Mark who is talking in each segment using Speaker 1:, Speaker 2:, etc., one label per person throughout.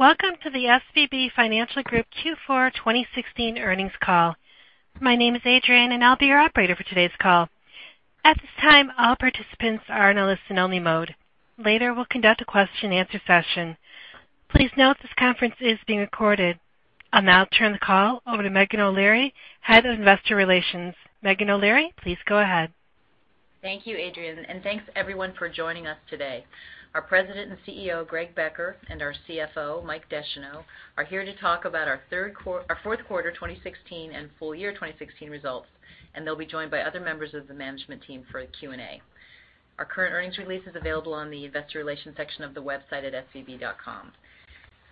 Speaker 1: Welcome to the SVB Financial Group Q4 2016 earnings call. My name is Adrienne, and I will be your operator for today's call. At this time, all participants are in a listen only mode. Later, we will conduct a question and answer session. Please note this conference is being recorded. I will now turn the call over to Meghan O'Leary, Head of Investor Relations. Meghan O'Leary, please go ahead.
Speaker 2: Thank you, Adrienne, and thanks everyone for joining us today. Our President and CEO, Greg Becker, and our CFO, Mike Descheneaux, are here to talk about our fourth quarter 2016 and full year 2016 results, and they will be joined by other members of the management team for the Q&A. Our current earnings release is available on the Investor Relations section of the website at svb.com.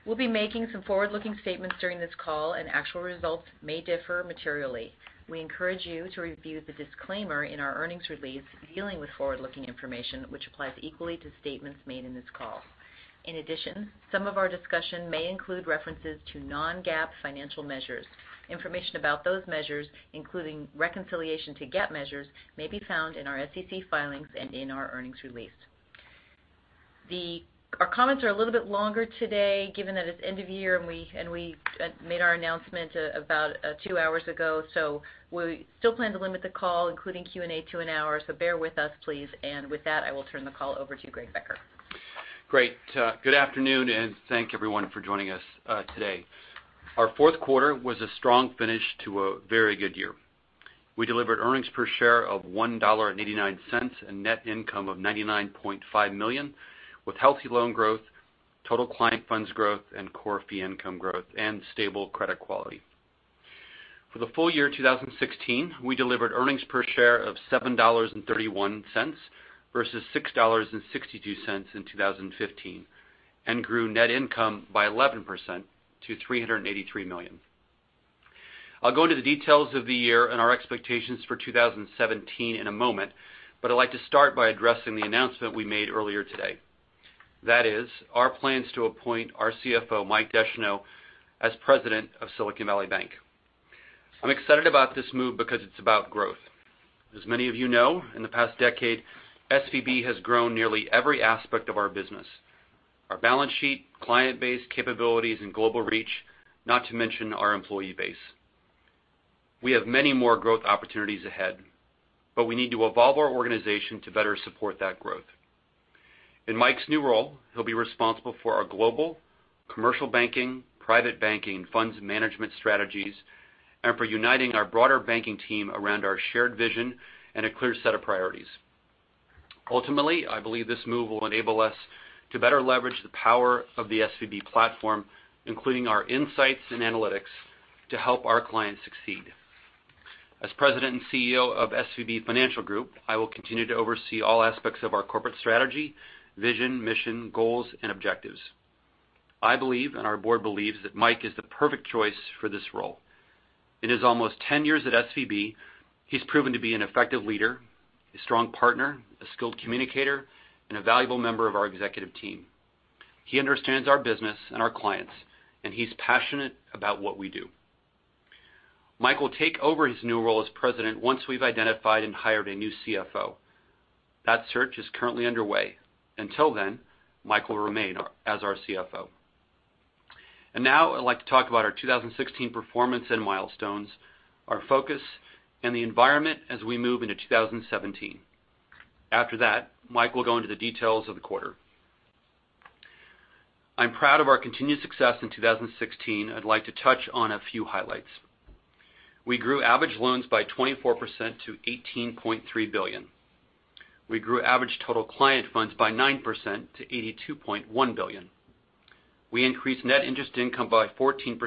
Speaker 2: We will be making some forward-looking statements during this call, and actual results may differ materially. We encourage you to review the disclaimer in our earnings release dealing with forward-looking information, which applies equally to statements made in this call. In addition, some of our discussion may include references to non-GAAP financial measures. Information about those measures, including reconciliation to GAAP measures, may be found in our SEC filings and in our earnings release. Our comments are a little bit longer today given that it is end of year, and we made our announcement about two hours ago. We still plan to limit the call, including Q&A, to an hour. Bear with us, please. With that, I will turn the call over to Greg Becker.
Speaker 3: Great. Good afternoon, and thank everyone for joining us today. Our fourth quarter was a strong finish to a very good year. We delivered earnings per share of $1.89 and net income of $99.5 million with healthy loan growth, total client funds growth, and core fee income growth, and stable credit quality. For the full year 2016, we delivered earnings per share of $7.31 versus $6.62 in 2015, and grew net income by 11% to $383 million. I will go into the details of the year and our expectations for 2017 in a moment, but I would like to start by addressing the announcement we made earlier today. That is our plans to appoint our CFO, Mike Descheneaux, as president of Silicon Valley Bank. I am excited about this move because it is about growth. As many of you know, in the past decade, SVB has grown nearly every aspect of our business. Our balance sheet, client base, capabilities, and global reach, not to mention our employee base. We have many more growth opportunities ahead, but we need to evolve our organization to better support that growth. In Mike's new role, he'll be responsible for our global commercial banking, private banking, funds management strategies, and for uniting our broader banking team around our shared vision and a clear set of priorities. Ultimately, I believe this move will enable us to better leverage the power of the SVB platform, including our insights and analytics, to help our clients succeed. As President and Chief Executive Officer of SVB Financial Group, I will continue to oversee all aspects of our corporate strategy, vision, mission, goals, and objectives. I believe, and our board believes, that Mike is the perfect choice for this role. In his almost 10 years at SVB, he's proven to be an effective leader, a strong partner, a skilled communicator, and a valuable member of our executive team. He understands our business and our clients, and he's passionate about what we do. Mike will take over his new role as president once we've identified and hired a new CFO. That search is currently underway. Until then, Mike will remain as our CFO. Now I'd like to talk about our 2016 performance and milestones, our focus, and the environment as we move into 2017. After that, Mike will go into the details of the quarter. I'm proud of our continued success in 2016. I'd like to touch on a few highlights. We grew average loans by 24% to $18.3 billion. We grew average total client funds by 9% to $82.1 billion. We increased net interest income by 14%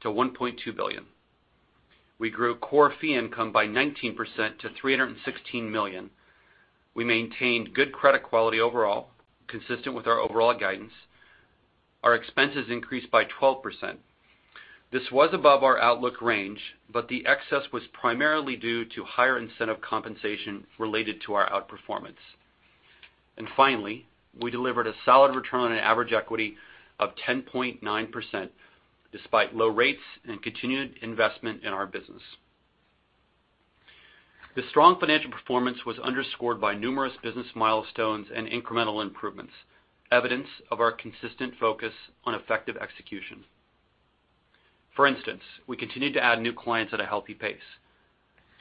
Speaker 3: to $1.2 billion. We grew core fee income by 19% to $316 million. We maintained good credit quality overall, consistent with our overall guidance. Our expenses increased by 12%. This was above our outlook range, but the excess was primarily due to higher incentive compensation related to our outperformance. Finally, we delivered a solid return on average equity of 10.9%, despite low rates and continued investment in our business. The strong financial performance was underscored by numerous business milestones and incremental improvements, evidence of our consistent focus on effective execution. For instance, we continued to add new clients at a healthy pace.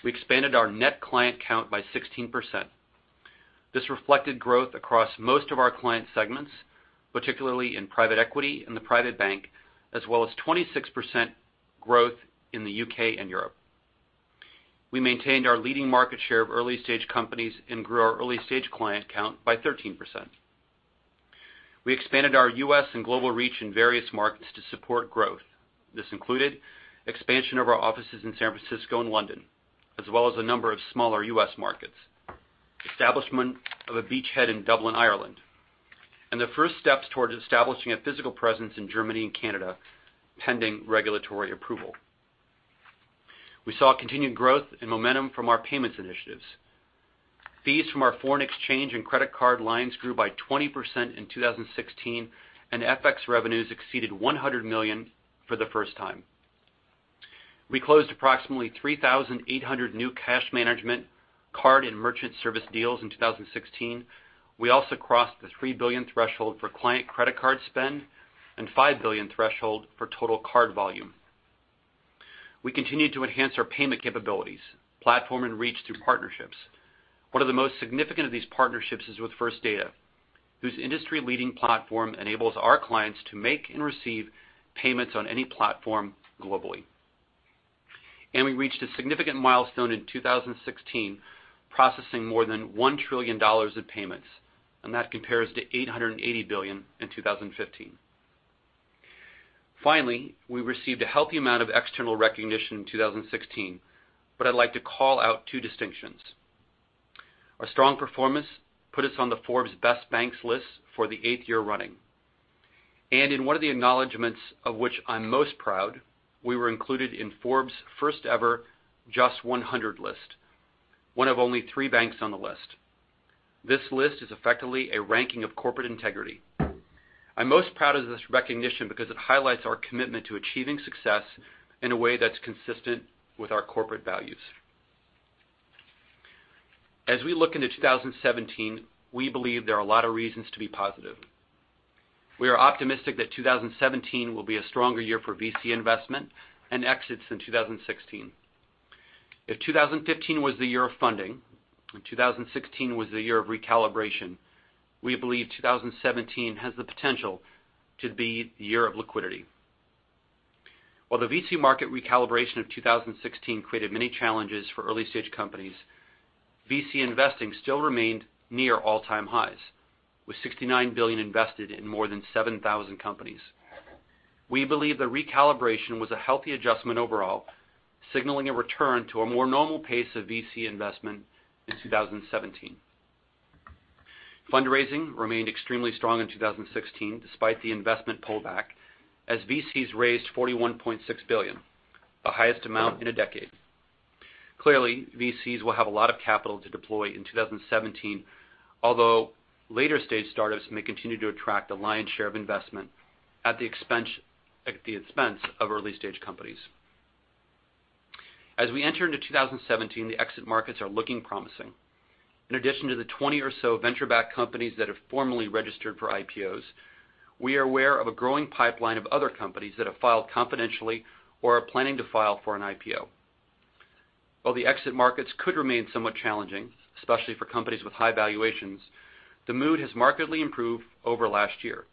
Speaker 3: We expanded our net client count by 16%. This reflected growth across most of our client segments, particularly in private equity in the private bank, as well as 26% growth in the U.K. and Europe. We maintained our leading market share of early-stage companies and grew our early-stage client count by 13%. We expanded our U.S. and global reach in various markets to support growth. This included expansion of our offices in San Francisco and London, as well as a number of smaller U.S. markets, establishment of a beachhead in Dublin, Ireland, and the first steps towards establishing a physical presence in Germany and Canada, pending regulatory approval. We saw continued growth and momentum from our payments initiatives. Fees from our foreign exchange and credit card lines grew by 20% in 2016, and FX revenues exceeded $100 million for the first time. We closed approximately 3,800 new cash management card and merchant service deals in 2016. We also crossed the 3 billion threshold for client credit card spend and 5 billion threshold for total card volume. We continued to enhance our payment capabilities, platform, and reach through partnerships. One of the most significant of these partnerships is with First Data, whose industry-leading platform enables our clients to make and receive payments on any platform globally. We reached a significant milestone in 2016, processing more than $1 trillion of payments, and that compares to $880 billion in 2015. Finally, we received a healthy amount of external recognition in 2016, but I'd like to call out two distinctions. Our strong performance put us on the Forbes Best Banks list for the eighth year running. In one of the acknowledgments of which I'm most proud, we were included in Forbes' first-ever JUST 100 list, one of only three banks on the list. This list is effectively a ranking of corporate integrity. I'm most proud of this recognition because it highlights our commitment to achieving success in a way that's consistent with our corporate values. As we look into 2017, we believe there are a lot of reasons to be positive. We are optimistic that 2017 will be a stronger year for VC investment and exits in 2016. If 2015 was the year of funding and 2016 was the year of recalibration, we believe 2017 has the potential to be the year of liquidity. While the VC market recalibration of 2016 created many challenges for early-stage companies, VC investing still remained near all-time highs, with $69 billion invested in more than 7,000 companies. We believe the recalibration was a healthy adjustment overall, signaling a return to a more normal pace of VC investment in 2017. Fundraising remained extremely strong in 2016 despite the investment pullback, as VCs raised $41.6 billion, the highest amount in a decade. Clearly, VCs will have a lot of capital to deploy in 2017, although later-stage startups may continue to attract the lion's share of investment at the expense of early-stage companies. As we enter into 2017, the exit markets are looking promising. In addition to the 20 or so venture-backed companies that have formally registered for IPOs, we are aware of a growing pipeline of other companies that have filed confidentially or are planning to file for an IPO. While the exit markets could remain somewhat challenging, especially for companies with high valuations, the mood has markedly improved over last year,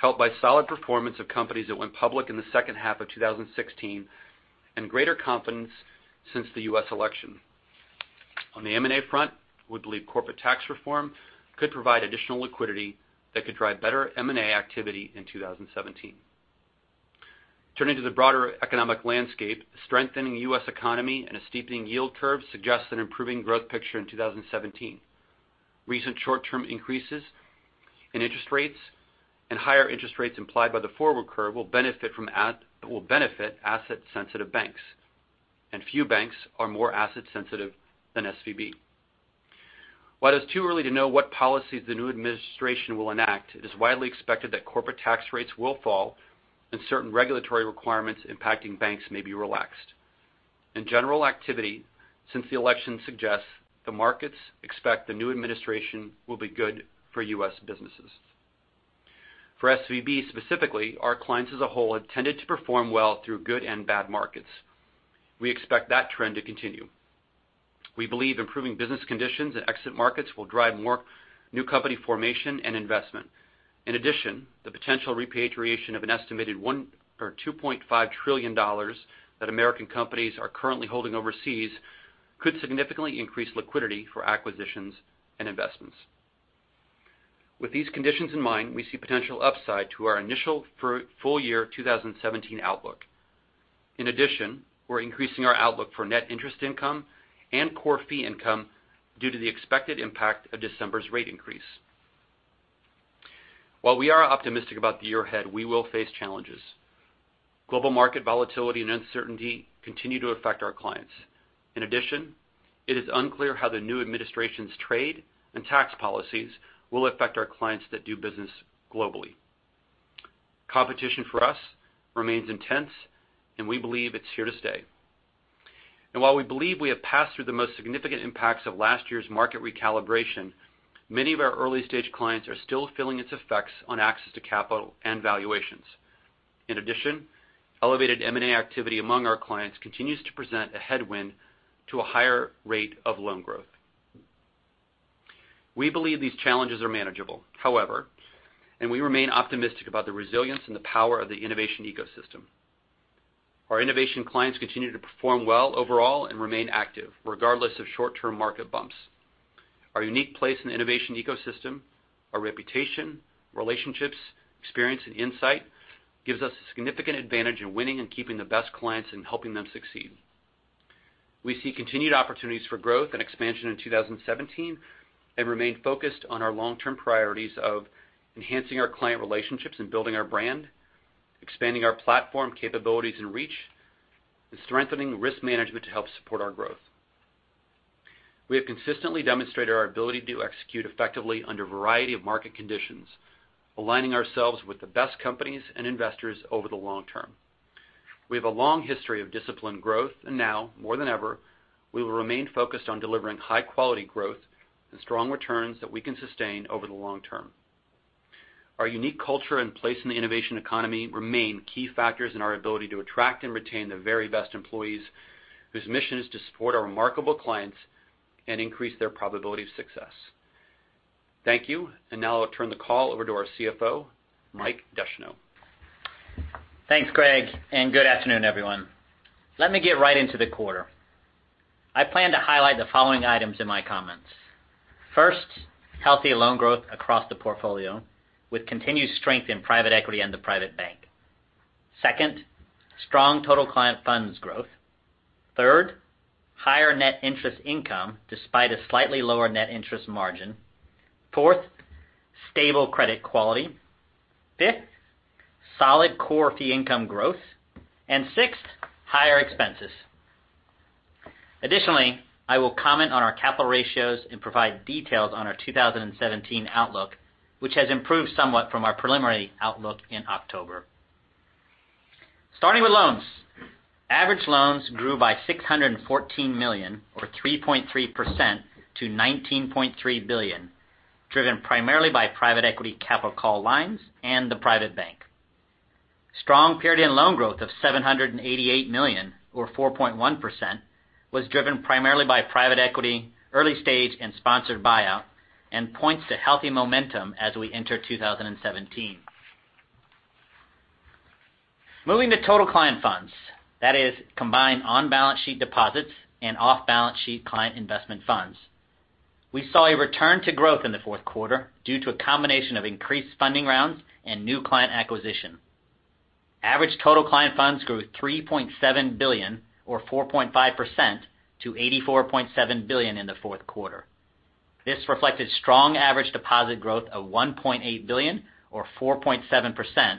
Speaker 3: helped by solid performance of companies that went public in the second half of 2016 and greater confidence since the U.S. election. On the M&A front, we believe corporate tax reform could provide additional liquidity that could drive better M&A activity in 2017. Turning to the broader economic landscape, a strengthening U.S. economy and a steepening yield curve suggests an improving growth picture in 2017. Recent short-term increases in interest rates and higher interest rates implied by the forward curve will benefit asset-sensitive banks, and few banks are more asset-sensitive than SVB. While it's too early to know what policies the new administration will enact, it is widely expected that corporate tax rates will fall and certain regulatory requirements impacting banks may be relaxed. General activity since the election suggests the markets expect the new administration will be good for U.S. businesses. For SVB specifically, our clients as a whole have tended to perform well through good and bad markets. We expect that trend to continue. We believe improving business conditions and exit markets will drive more new company formation and investment. In addition, the potential repatriation of an estimated $2.5 trillion that American companies are currently holding overseas could significantly increase liquidity for acquisitions and investments. With these conditions in mind, we see potential upside to our initial full year 2017 outlook. In addition, we're increasing our outlook for net interest income and core fee income due to the expected impact of December's rate increase. While we are optimistic about the year ahead, we will face challenges. Global market volatility and uncertainty continue to affect our clients. In addition, it is unclear how the new administration's trade and tax policies will affect our clients that do business globally. Competition for us remains intense, and we believe it's here to stay. While we believe we have passed through the most significant impacts of last year's market recalibration, many of our early-stage clients are still feeling its effects on access to capital and valuations. In addition, elevated M&A activity among our clients continues to present a headwind to a higher rate of loan growth. We believe these challenges are manageable, however, and we remain optimistic about the resilience and the power of the innovation ecosystem. Our innovation clients continue to perform well overall and remain active, regardless of short-term market bumps. Our unique place in the innovation ecosystem, our reputation, relationships, experience, and insight gives us a significant advantage in winning and keeping the best clients and helping them succeed. We see continued opportunities for growth and expansion in 2017 and remain focused on our long-term priorities of enhancing our client relationships and building our brand, expanding our platform capabilities and reach, and strengthening risk management to help support our growth. We have consistently demonstrated our ability to execute effectively under a variety of market conditions, aligning ourselves with the best companies and investors over the long term. We have a long history of disciplined growth, and now more than ever, we will remain focused on delivering high-quality growth and strong returns that we can sustain over the long term. Our unique culture and place in the innovation economy remain key factors in our ability to attract and retain the very best employees, whose mission is to support our remarkable clients and increase their probability of success. Thank you. Now I'll turn the call over to our CFO, Mike Descheneaux.
Speaker 4: Thanks, Greg, good afternoon, everyone. Let me get right into the quarter. I plan to highlight the following items in my comments. First, healthy loan growth across the portfolio with continued strength in private equity and the private bank. Second, strong total client funds growth. Third, higher net interest income despite a slightly lower net interest margin. Fourth, stable credit quality. Fifth, solid core fee income growth. Sixth, higher expenses. Additionally, I will comment on our capital ratios and provide details on our 2017 outlook, which has improved somewhat from our preliminary outlook in October. Starting with loans. Average loans grew by $614 million or 3.3% to $19.3 billion, driven primarily by private equity capital call lines and the private bank. Strong period end loan growth of $788 million or 4.1% was driven primarily by private equity, early stage and sponsored buyout, and points to healthy momentum as we enter 2017. Moving to total client funds, that is combined on-balance-sheet deposits and off-balance-sheet client investment funds. We saw a return to growth in the fourth quarter due to a combination of increased funding rounds and new client acquisition. Average total client funds grew $3.7 billion or 4.5% to $84.7 billion in the fourth quarter. This reflected strong average deposit growth of $1.8 billion or 4.7%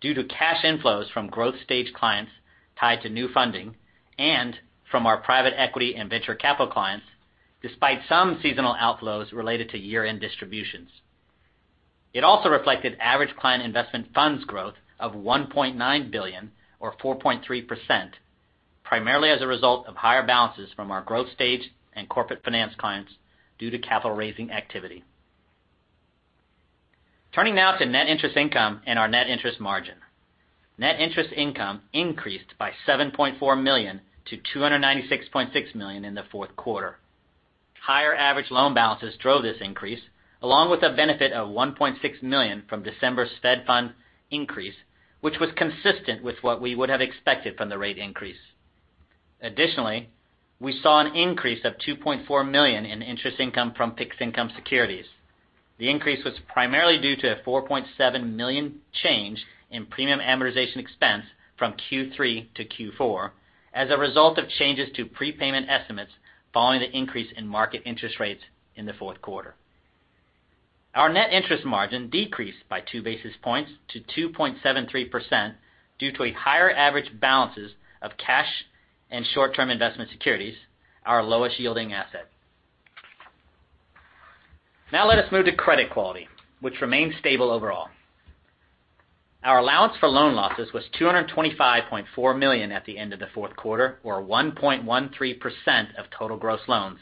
Speaker 4: due to cash inflows from growth-stage clients tied to new funding and from our private equity and venture capital clients, despite some seasonal outflows related to year-end distributions. It also reflected average client investment funds growth of $1.9 billion or 4.3%, primarily as a result of higher balances from our growth stage and corporate finance clients due to capital raising activity. Turning now to net interest income and our net interest margin. Net interest income increased by $7.4 million to $296.6 million in the fourth quarter. Higher average loan balances drove this increase, along with a benefit of $1.6 million from December's Fed Funds increase, which was consistent with what we would have expected from the rate increase. Additionally, we saw an increase of $2.4 million in interest income from fixed income securities. The increase was primarily due to a $4.7 million change in premium amortization expense from Q3 to Q4 as a result of changes to prepayment estimates following the increase in market interest rates in the fourth quarter. Our net interest margin decreased by two basis points to 2.73% due to a higher average balances of cash and short-term investment securities, our lowest yielding asset. Now let us move to credit quality, which remains stable overall. Our allowance for loan losses was $225.4 million at the end of the fourth quarter, or 1.13% of total gross loans,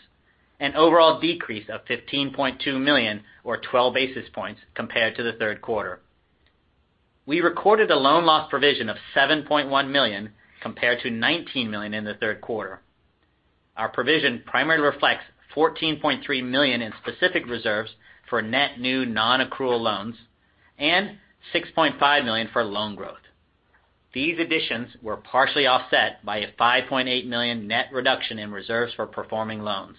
Speaker 4: an overall decrease of $15.2 million or 12 basis points compared to the third quarter. We recorded a loan loss provision of $7.1 million compared to $19 million in the third quarter. Our provision primarily reflects $14.3 million in specific reserves for net new nonaccrual loans and $6.5 million for loan growth. These additions were partially offset by a $5.8 million net reduction in reserves for performing loans.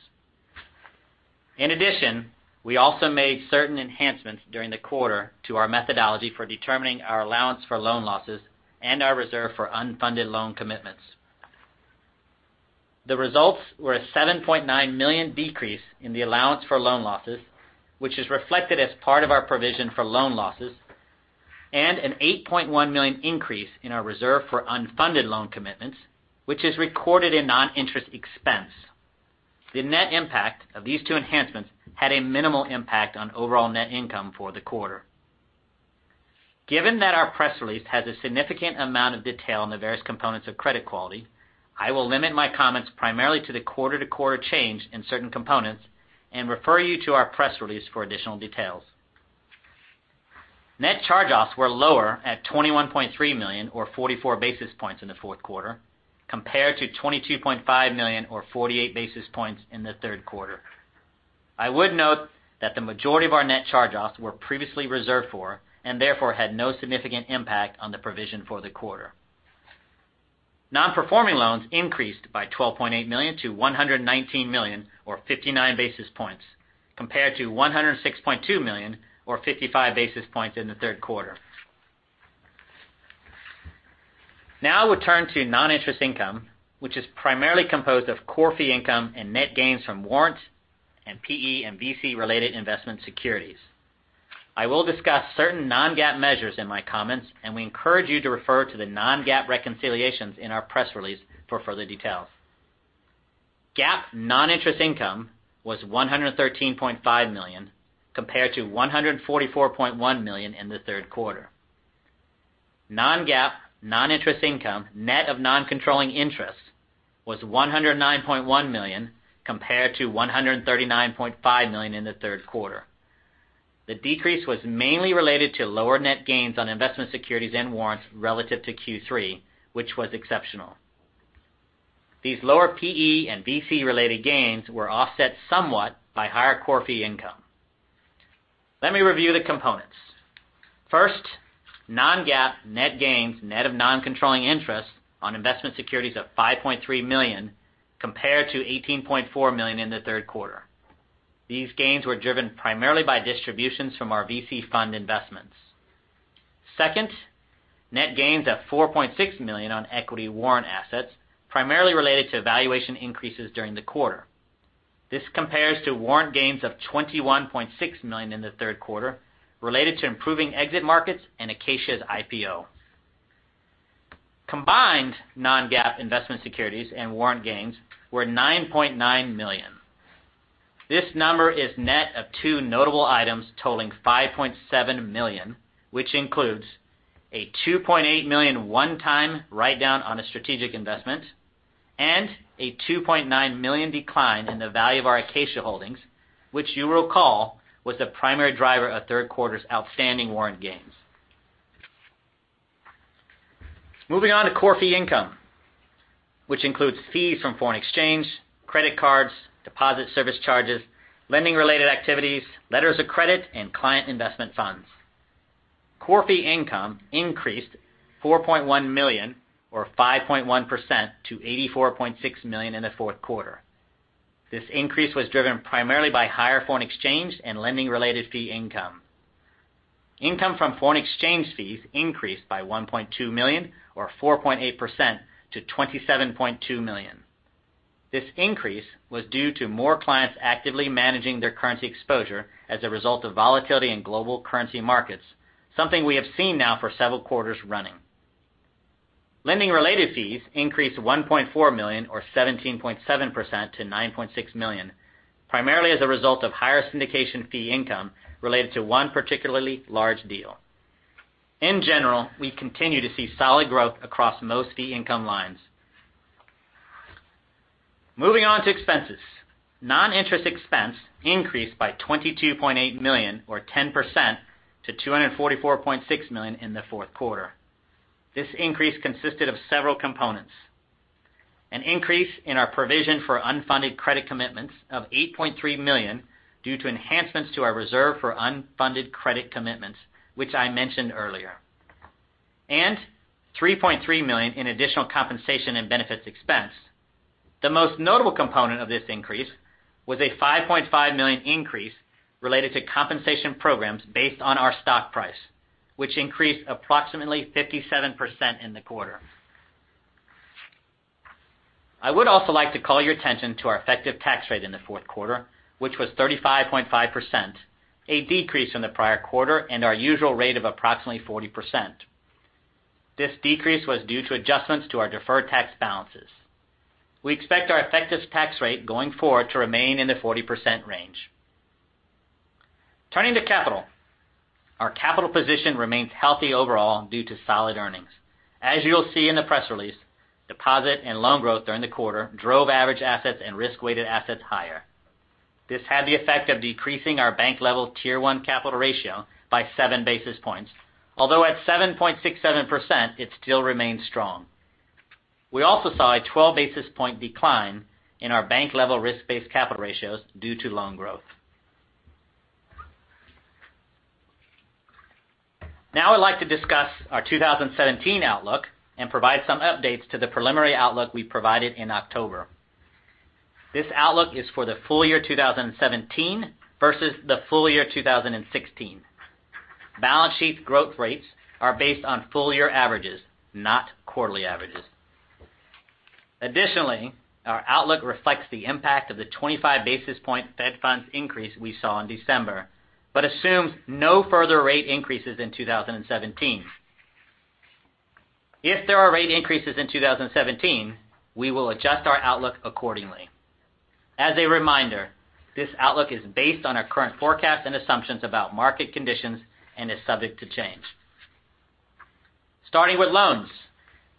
Speaker 4: In addition, we also made certain enhancements during the quarter to our methodology for determining our allowance for loan losses and our reserve for unfunded loan commitments. The results were a $7.9 million decrease in the allowance for loan losses, which is reflected as part of our provision for loan losses, and an $8.1 million increase in our reserve for unfunded loan commitments, which is recorded in non-interest expense. The net impact of these two enhancements had a minimal impact on overall net income for the quarter. Given that our press release has a significant amount of detail on the various components of credit quality, I will limit my comments primarily to the quarter-to-quarter change in certain components and refer you to our press release for additional details. Net charge-offs were lower at $21.3 million or 44 basis points in the fourth quarter, compared to $22.5 million or 48 basis points in the third quarter. I would note that the majority of our net charge-offs were previously reserved for, and therefore had no significant impact on the provision for the quarter. Non-performing loans increased by $12.8 million to $119 million or 59 basis points compared to $106.2 million or 55 basis points in the third quarter. Now we turn to non-interest income, which is primarily composed of core fee income and net gains from warrants and PE and VC related investment securities. I will discuss certain non-GAAP measures in my comments, and we encourage you to refer to the non-GAAP reconciliations in our press release for further details. GAAP non-interest income was $113.5 million, compared to $144.1 million in the third quarter. Non-GAAP non-interest income, net of non-controlling interest, was $109.1 million, compared to $139.5 million in the third quarter. The decrease was mainly related to lower net gains on investment securities and warrants relative to Q3, which was exceptional. These lower PE and VC related gains were offset somewhat by higher core fee income. Let me review the components. First, non-GAAP net gains, net of non-controlling interest on investment securities of $5.3 million, compared to $18.4 million in the third quarter. These gains were driven primarily by distributions from our VC fund investments. Second, net gains of $4.6 million on equity warrant assets, primarily related to valuation increases during the quarter. This compares to warrant gains of $21.6 million in the third quarter, related to improving exit markets and Acacia's IPO. Combined non-GAAP investment securities and warrant gains were $9.9 million. This number is net of two notable items totaling $5.7 million, which includes a $2.8 million one-time write-down on a strategic investment and a $2.9 million decline in the value of our Acacia holdings, which you will recall was the primary driver of third quarter's outstanding warrant gains. Moving on to core fee income, which includes fees from foreign exchange, credit cards, deposit service charges, lending-related activities, letters of credit, and client investment funds. Core fee income increased $4.1 million, or 5.1%, to $84.6 million in the fourth quarter. This increase was driven primarily by higher foreign exchange and lending-related fee income. Income from foreign exchange fees increased by $1.2 million, or 4.8%, to $27.2 million. This increase was due to more clients actively managing their currency exposure as a result of volatility in global currency markets, something we have seen now for several quarters running. Lending-related fees increased $1.4 million or 17.7% to $9.6 million, primarily as a result of higher syndication fee income related to one particularly large deal. In general, we continue to see solid growth across most fee income lines. Moving on to expenses. Non-interest expense increased by $22.8 million or 10% to $244.6 million in the fourth quarter. This increase consisted of several components. An increase in our provision for unfunded credit commitments of $8.3 million due to enhancements to our reserve for unfunded credit commitments, which I mentioned earlier, and $3.3 million in additional compensation and benefits expense. The most notable component of this increase was a $5.5 million increase related to compensation programs based on our stock price, which increased approximately 57% in the quarter. I would also like to call your attention to our effective tax rate in the fourth quarter, which was 35.5%, a decrease from the prior quarter and our usual rate of approximately 40%. This decrease was due to adjustments to our deferred tax balances. We expect our effective tax rate going forward to remain in the 40% range. Turning to capital. Our capital position remains healthy overall due to solid earnings. As you'll see in the press release, deposit and loan growth during the quarter drove average assets and risk-weighted assets higher. This had the effect of decreasing our bank-level Tier 1 capital ratio by 7 basis points, although at 7.67%, it still remains strong. We also saw a 12 basis point decline in our bank-level risk-based capital ratios due to loan growth. Now I'd like to discuss our 2017 outlook and provide some updates to the preliminary outlook we provided in October. This outlook is for the full year 2017 versus the full year 2016. Balance sheet growth rates are based on full year averages, not quarterly averages. Additionally, our outlook reflects the impact of the 25 basis point Fed funds increase we saw in December, but assumes no further rate increases in 2017. If there are rate increases in 2017, we will adjust our outlook accordingly. As a reminder, this outlook is based on our current forecasts and assumptions about market conditions and is subject to change. Starting with loans.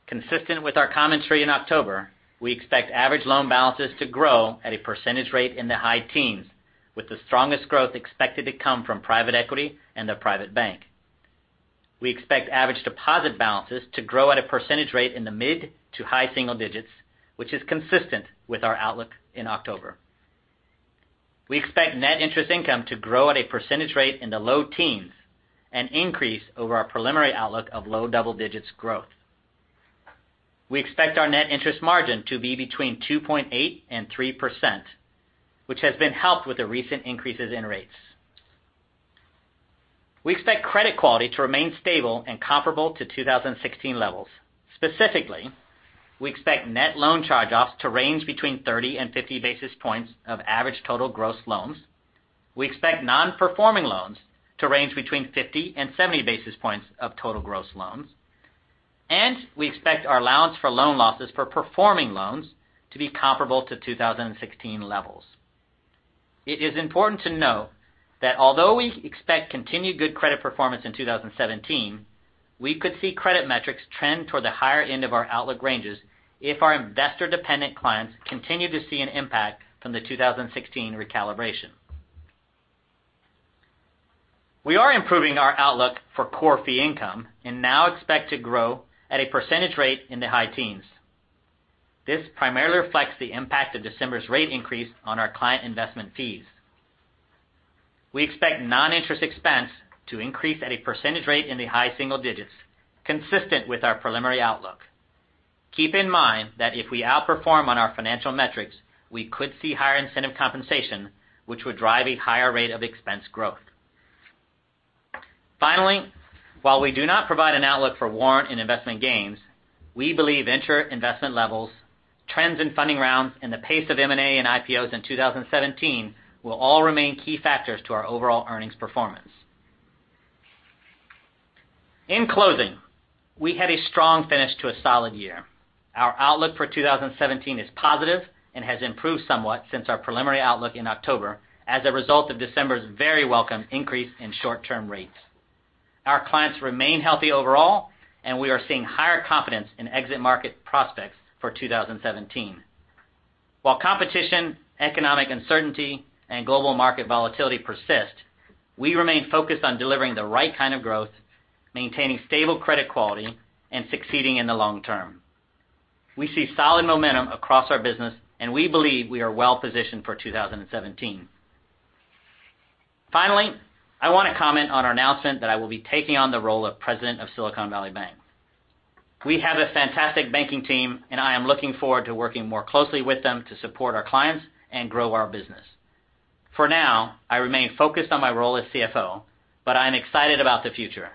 Speaker 4: Consistent with our commentary in October, we expect average loan balances to grow at a percentage rate in the high teens, with the strongest growth expected to come from private equity and the private bank. We expect average deposit balances to grow at a percentage rate in the mid to high single digits, which is consistent with our outlook in October. We expect net interest income to grow at a percentage rate in the low teens, an increase over our preliminary outlook of low double digits growth. We expect our net interest margin to be between 2.8% and 3%, which has been helped with the recent increases in rates. We expect credit quality to remain stable and comparable to 2016 levels. Specifically We expect net loan charge-offs to range between 30 and 50 basis points of average total gross loans. We expect non-performing loans to range between 50 and 70 basis points of total gross loans, and we expect our allowance for loan losses for performing loans to be comparable to 2016 levels. It is important to note that although we expect continued good credit performance in 2017, we could see credit metrics trend toward the higher end of our outlook ranges if our investor-dependent clients continue to see an impact from the 2016 recalibration. We are improving our outlook for core fee income and now expect to grow at a percentage rate in the high teens. This primarily reflects the impact of December's rate increase on our client investment fees. We expect non-interest expense to increase at a percentage rate in the high single digits, consistent with our preliminary outlook. Keep in mind that if we outperform on our financial metrics, we could see higher incentive compensation, which would drive a higher rate of expense growth. While we do not provide an outlook for warrant and investment gains, we believe interest investment levels, trends in funding rounds, and the pace of M&A and IPOs in 2017 will all remain key factors to our overall earnings performance. In closing, we had a strong finish to a solid year. Our outlook for 2017 is positive and has improved somewhat since our preliminary outlook in October as a result of December's very welcome increase in short-term rates. Our clients remain healthy overall, and we are seeing higher confidence in exit market prospects for 2017. While competition, economic uncertainty, and global market volatility persist, we remain focused on delivering the right kind of growth, maintaining stable credit quality, and succeeding in the long term. We see solid momentum across our business, and we believe we are well positioned for 2017. I want to comment on our announcement that I will be taking on the role of President of Silicon Valley Bank. We have a fantastic banking team, and I am looking forward to working more closely with them to support our clients and grow our business. For now, I remain focused on my role as CFO, but I am excited about the future.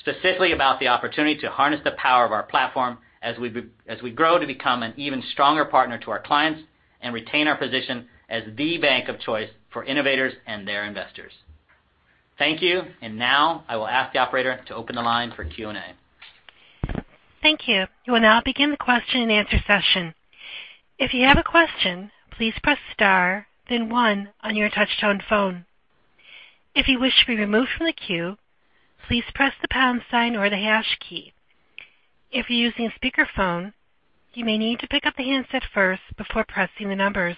Speaker 4: Specifically about the opportunity to harness the power of our platform as we grow to become an even stronger partner to our clients and retain our position as the bank of choice for innovators and their investors. Thank you. Now I will ask the operator to open the line for Q&A.
Speaker 1: Thank you. We will now begin the question and answer session. If you have a question, please press star then one on your touch-tone phone. If you wish to be removed from the queue, please press the pound sign or the hash key. If you're using a speakerphone, you may need to pick up the handset first before pressing the numbers.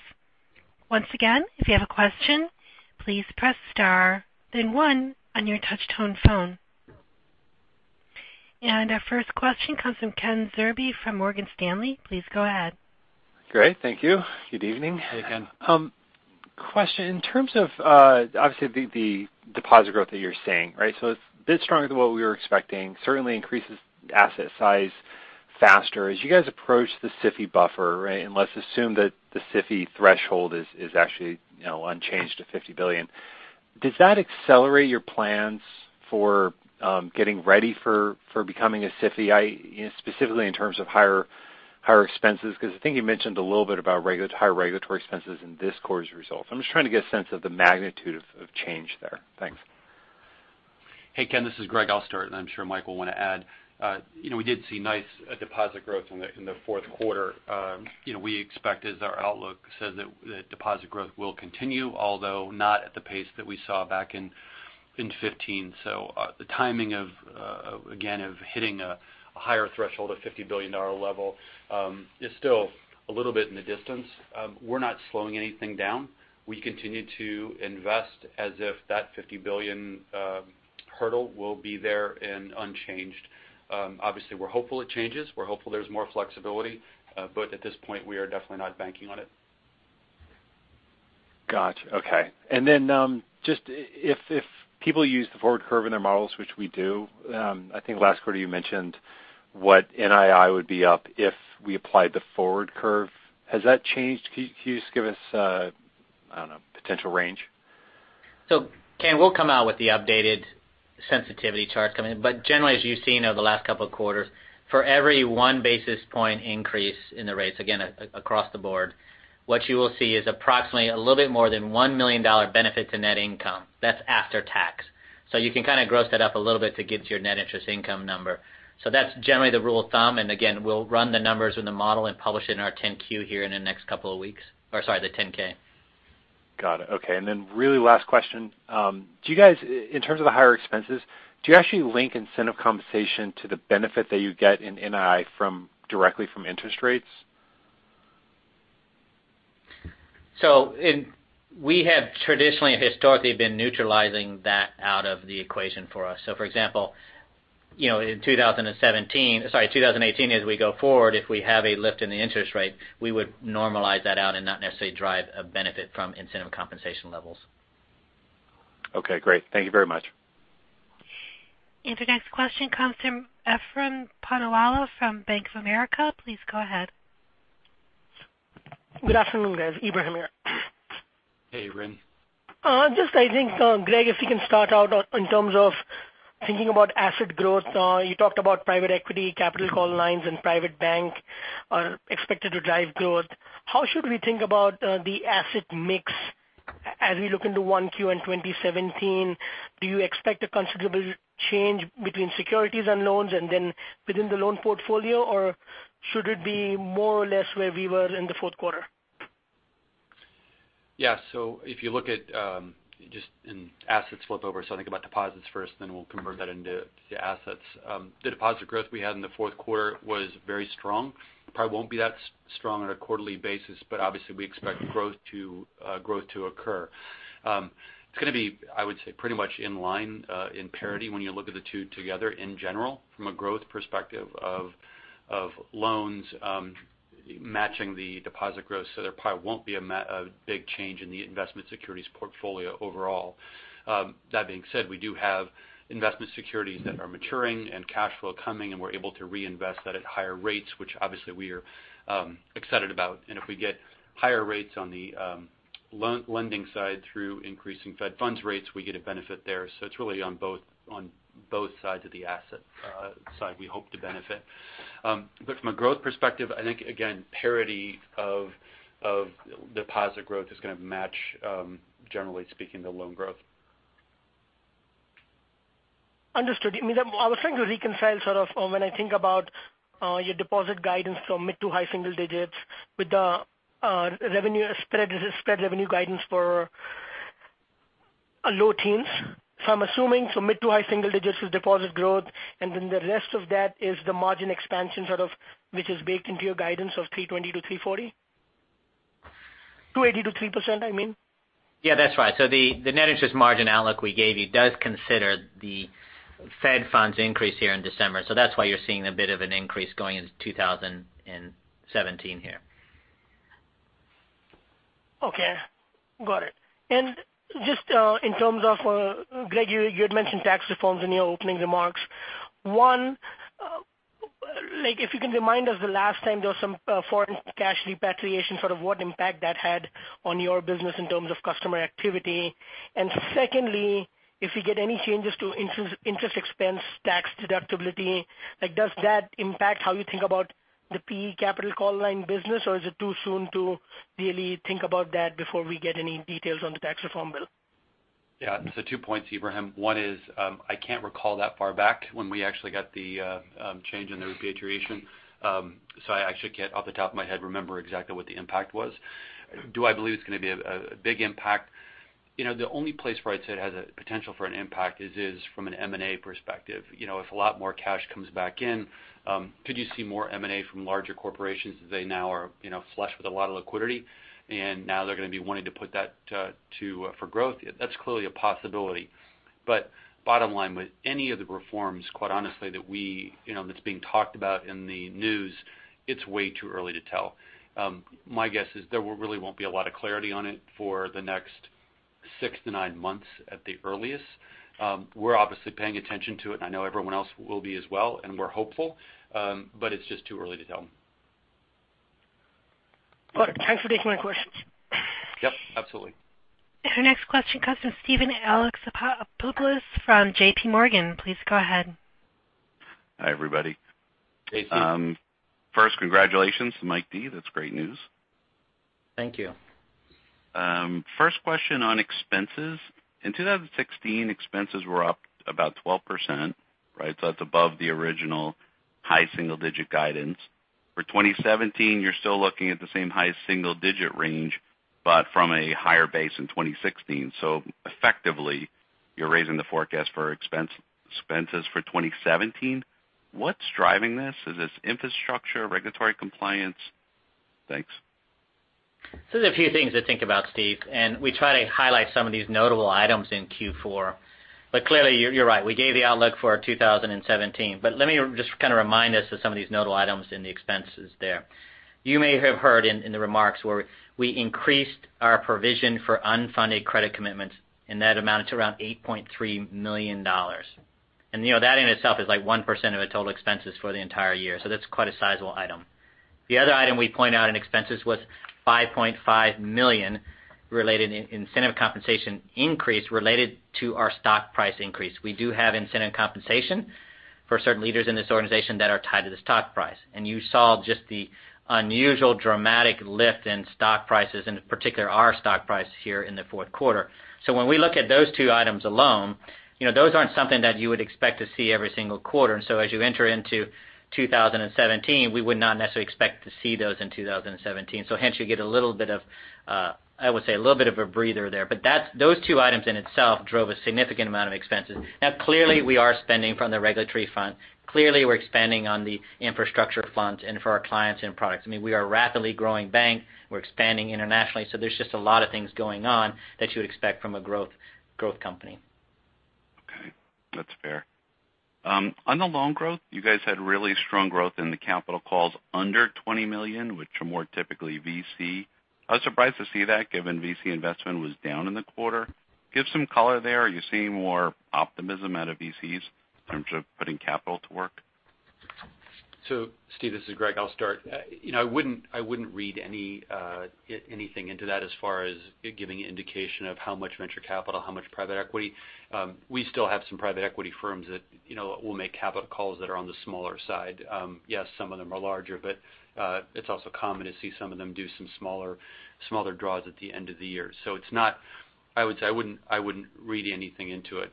Speaker 1: Once again, if you have a question, please press star then one on your touch-tone phone. Our first question comes from Ken Zerbe from Morgan Stanley. Please go ahead.
Speaker 5: Great. Thank you. Good evening.
Speaker 4: Hey, Ken.
Speaker 5: Question. In terms of, obviously, the deposit growth that you're seeing, right? It's a bit stronger than what we were expecting. Certainly increases asset size faster. As you guys approach the SIFI buffer, right, and let's assume that the SIFI threshold is actually unchanged to 50 billion. Does that accelerate your plans for getting ready for becoming a SIFI? Specifically in terms of higher expenses, because I think you mentioned a little bit about higher regulatory expenses in this quarter's results. I'm just trying to get a sense of the magnitude of change there. Thanks.
Speaker 6: Hey, Ken. This is Greg Oster, and I'm sure Mike will want to add. We did see nice deposit growth in the fourth quarter. We expect as our outlook says that deposit growth will continue, although not at the pace that we saw back in 2015. The timing of, again, of hitting a higher threshold of $50 billion level is still a little bit in the distance. We're not slowing anything down. We continue to invest as if that 50 billion hurdle will be there and unchanged. Obviously, we're hopeful it changes. We're hopeful there's more flexibility. At this point, we are definitely not banking on it.
Speaker 5: Got you. Okay. Just if people use the forward curve in their models, which we do, I think last quarter you mentioned what NII would be up if we applied the forward curve. Has that changed? Can you just give us a, I don't know, potential range?
Speaker 4: Ken, we'll come out with the updated sensitivity charts coming in. Generally, as you've seen over the last couple of quarters, for every one basis point increase in the rates, again across the board, what you will see is approximately a little bit more than $1 million benefit to net income. That's after tax. You can kind of gross that up a little bit to get to your net interest income number. That's generally the rule of thumb. Again, we'll run the numbers in the model and publish it in our 10-Q here in the next couple of weeks, or sorry, the 10-K.
Speaker 5: Got it. Okay. Really last question. Do you guys, in terms of the higher expenses, do you actually link incentive compensation to the benefit that you get in NII directly from interest rates?
Speaker 4: We have traditionally and historically been neutralizing that out of the equation for us. For example, in 2017, sorry, 2018 as we go forward, if we have a lift in the interest rate, we would normalize that out and not necessarily drive a benefit from incentive compensation levels.
Speaker 5: Okay, great. Thank you very much.
Speaker 1: The next question comes from Ebrahim Poonawala from Bank of America. Please go ahead.
Speaker 7: Good afternoon, guys. Ebrahim here.
Speaker 3: Hey, Ebrahim.
Speaker 7: Greg, if you can start out in terms of thinking about asset growth. You talked about private equity, capital call lines and private bank are expected to drive growth. How should we think about the asset mix as we look into 1Q in 2017? Do you expect a considerable change between securities and loans and then within the loan portfolio, or should it be more or less where we were in the fourth quarter?
Speaker 3: If you look at just in assets flip over, think about deposits first, then we'll convert that into assets. The deposit growth we had in the fourth quarter was very strong. Probably won't be that strong on a quarterly basis, but obviously we expect growth to occur. It's going to be, I would say, pretty much in line, in parity when you look at the two together in general from a growth perspective of loans matching the deposit growth. There probably won't be a big change in the investment securities portfolio overall. That being said, we do have investment securities that are maturing and cash flow coming, and we're able to reinvest that at higher rates, which obviously we are excited about. If we get higher rates on the lending side through increasing Fed funds rates, we get a benefit there. It's really on both sides of the asset side we hope to benefit. From a growth perspective, I think again, parity of deposit growth is going to match, generally speaking, the loan growth.
Speaker 7: Understood. I was trying to reconcile sort of when I think about your deposit guidance from mid to high single digits with the spread revenue guidance for low teens. I'm assuming mid to high single digits with deposit growth, and then the rest of that is the margin expansion sort of, which is baked into your guidance of 320-340? 280 to 3%, I mean.
Speaker 4: Yeah, that's right. The net interest margin outlook we gave you does consider the Fed funds increase here in December. That's why you're seeing a bit of an increase going into 2017 here.
Speaker 7: Okay, got it. Just in terms of, Greg, you had mentioned tax reforms in your opening remarks. One, if you can remind us the last time there was some foreign cash repatriation, sort of what impact that had on your business in terms of customer activity. Secondly, if you get any changes to interest expense tax deductibility, does that impact how you think about the PE capital call line business or is it too soon to really think about that before we get any details on the tax reform bill?
Speaker 3: Yeah. Two points, Ebrahim. One is, I can't recall that far back when we actually got the change in the repatriation. I actually can't off the top of my head remember exactly what the impact was. Do I believe it's going to be a big impact? The only place where I'd say it has a potential for an impact is from an M&A perspective. If a lot more cash comes back in, could you see more M&A from larger corporations as they now are flush with a lot of liquidity, and now they're going to be wanting to put that for growth? That's clearly a possibility. Bottom line, with any of the reforms, quite honestly, that's being talked about in the news, it's way too early to tell. My guess is there really won't be a lot of clarity on it for the next six to nine months at the earliest. We're obviously paying attention to it. I know everyone else will be as well, and we're hopeful. It's just too early to tell.
Speaker 7: Got it. Thanks for taking my questions.
Speaker 3: Yep, absolutely.
Speaker 1: Our next question comes from Steven Alexopoulos from JPMorgan. Please go ahead.
Speaker 8: Hi, everybody.
Speaker 4: Hey, Steve.
Speaker 8: First, congratulations to Mike Descheneaux. That's great news.
Speaker 4: Thank you.
Speaker 8: First question on expenses. In 2016, expenses were up about 12%, right? That's above the original high single-digit guidance. For 2017, you're still looking at the same high single-digit range, but from a higher base in 2016. Effectively, you're raising the forecast for expenses for 2017. What's driving this? Is this infrastructure, regulatory compliance? Thanks.
Speaker 4: There's a few things to think about, Steve, and we try to highlight some of these notable items in Q4. Clearly, you're right. We gave the outlook for 2017. Let me just kind of remind us of some of these notable items in the expenses there. You may have heard in the remarks where we increased our provision for unfunded credit commitments, and that amounted to around $8.3 million. And that in itself is like 1% of the total expenses for the entire year. That's quite a sizable item. The other item we point out in expenses was $5.5 million related incentive compensation increase related to our stock price increase. We do have incentive compensation for certain leaders in this organization that are tied to the stock price. You saw just the unusual dramatic lift in stock prices, in particular our stock price here in the fourth quarter. When we look at those two items alone, those aren't something that you would expect to see every single quarter. As you enter into 2017, we would not necessarily expect to see those in 2017. Hence you get a little bit of, I would say, a little bit of a breather there. Those two items in itself drove a significant amount of expenses. Clearly we are spending from the regulatory front. Clearly we're expanding on the infrastructure front and for our clients and products. I mean, we are a rapidly growing bank. We're expanding internationally. There's just a lot of things going on that you would expect from a growth company.
Speaker 8: Okay. That's fair. On the loan growth, you guys had really strong growth in the capital calls under $20 million, which are more typically VC. I was surprised to see that given VC investment was down in the quarter. Give some color there. Are you seeing more optimism out of VCs in terms of putting capital to work?
Speaker 3: Steve, this is Greg. I'll start. I wouldn't read anything into that as far as giving indication of how much venture capital, how much private equity. We still have some private equity firms that will make capital calls that are on the smaller side. Yes, some of them are larger, but it's also common to see some of them do some smaller draws at the end of the year. I wouldn't read anything into it.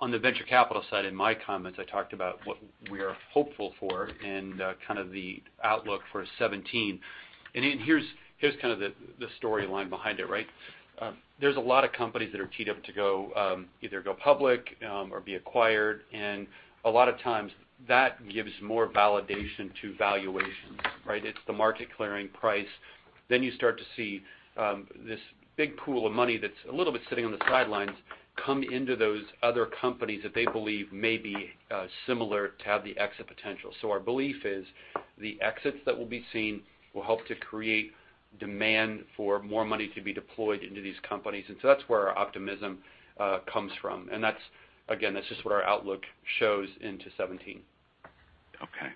Speaker 3: On the venture capital side, in my comments, I talked about what we are hopeful for and the outlook for 2017. Here's the storyline behind it. There's a lot of companies that are teed up to either go public or be acquired, and a lot of times that gives more validation to valuations. It's the market clearing price. You start to see this big pool of money that's a little bit sitting on the sidelines, come into those other companies that they believe may be similar to have the exit potential. Our belief is the exits that will be seen will help to create demand for more money to be deployed into these companies. That's where our optimism comes from. Again, that's just what our outlook shows into 2017.
Speaker 8: Okay.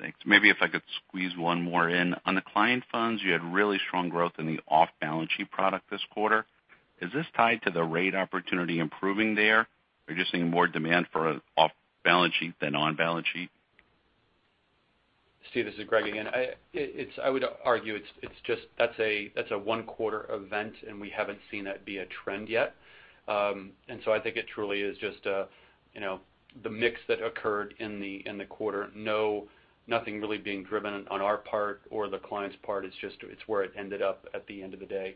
Speaker 8: Thanks. Maybe if I could squeeze one more in. On the client funds, you had really strong growth in the off-balance sheet product this quarter. Is this tied to the rate opportunity improving there? Are you just seeing more demand for off-balance sheet than on-balance sheet?
Speaker 3: Steve, this is Greg again. I would argue that's a one-quarter event, we haven't seen that be a trend yet. I think it truly is just the mix that occurred in the quarter. Nothing really being driven on our part or the client's part. It's where it ended up at the end of the day.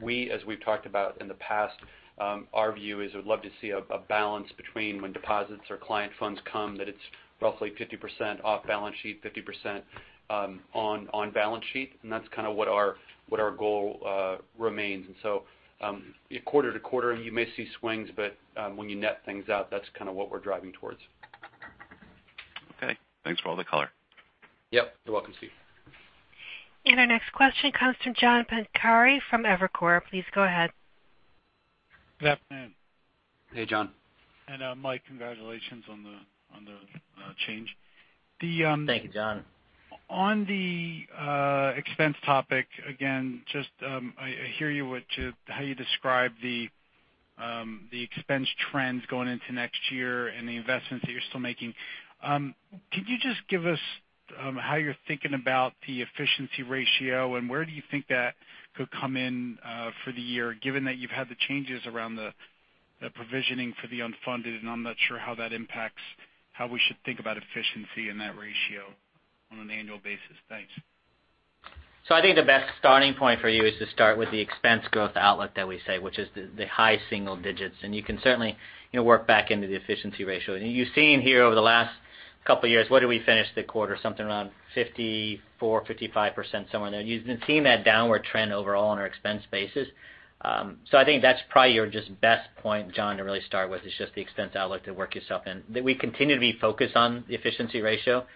Speaker 3: We, as we've talked about in the past, our view is we'd love to see a balance between when deposits or client funds come, that it's roughly 50% off balance sheet, 50% on balance sheet, that's kind of what our goal remains. Quarter to quarter, you may see swings, but when you net things out, that's kind of what we're driving towards.
Speaker 8: Okay. Thanks for all the color.
Speaker 3: Yep. You're welcome, Steve.
Speaker 1: Our next question comes from John Pancari from Evercore. Please go ahead.
Speaker 9: Good afternoon.
Speaker 3: Hey, John.
Speaker 9: Mike, congratulations on the change.
Speaker 4: Thank you, John.
Speaker 9: On the expense topic, again, I hear you how you describe the expense trends going into next year and the investments that you're still making. Can you just give us how you're thinking about the efficiency ratio and where do you think that could come in for the year, given that you've had the changes around the provisioning for the unfunded? I'm not sure how that impacts how we should think about efficiency in that ratio on an annual basis. Thanks.
Speaker 4: I think the best starting point for you is to start with the expense growth outlook that we say, which is the high single digits, and you can certainly work back into the efficiency ratio. You've seen here over the last couple of years, where did we finish the quarter? Something around 54% or 55%, somewhere in there. You've been seeing that downward trend overall on our expense bases. I think that's probably your just best point, John, to really start with is just the expense outlook to work yourself in. We continue to be focused on the efficiency ratio.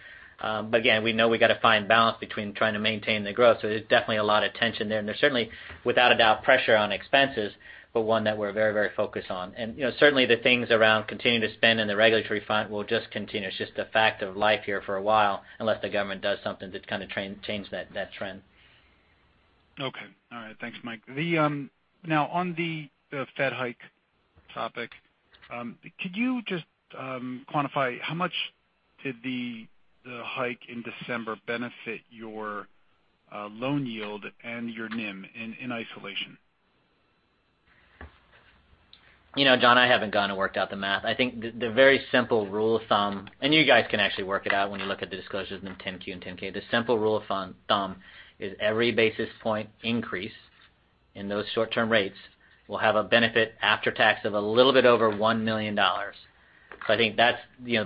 Speaker 4: Again, we know we've got to find balance between trying to maintain the growth. There's definitely a lot of tension there. There's certainly, without a doubt, pressure on expenses, but one that we're very focused on. Certainly the things around continuing to spend in the regulatory front will just continue. It's just a fact of life here for a while, unless the government does something to kind of change that trend.
Speaker 9: Okay. All right. Thanks, Mike. On the Fed hike topic, could you just quantify how much did the hike in December benefit your loan yield and your NIM in isolation?
Speaker 4: John, I haven't gone and worked out the math. I think the very simple rule of thumb, and you guys can actually work it out when you look at the disclosures in the 10-Q and 10-K. The simple rule of thumb is every basis point increase in those short-term rates will have a benefit after tax of a little bit over $1 million. I think that's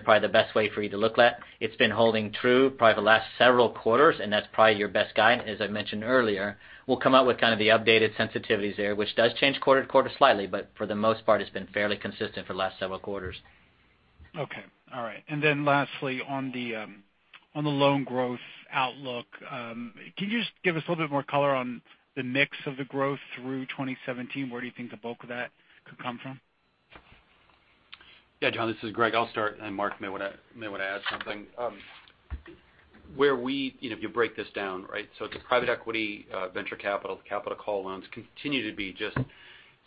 Speaker 4: probably the best way for you to look at it. It's been holding true probably the last several quarters, and that's probably your best guide. As I mentioned earlier, we'll come out with kind of the updated sensitivities there, which does change quarter-to-quarter slightly, but for the most part, it's been fairly consistent for the last several quarters.
Speaker 9: Okay. All right. Lastly, on the loan growth outlook, can you just give us a little bit more color on the mix of the growth through 2017? Where do you think the bulk of that could come from?
Speaker 3: Yeah, John, this is Greg. I'll start. Marc may want to add something. If you break this down. The private equity venture capital call loans continue to be just